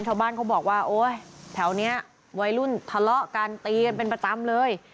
ชาวบ้านเขาบอกว่าโอ๊ยแถวนี้วัยรุ่นทะเลาะกันตีกันเป็นประจำเลย